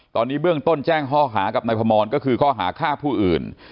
ตอนนี้เบื้องต้นแจ้งข้อหากับนายพมรก็คือข้อหาฆ่าผู้อื่น